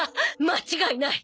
間違いない。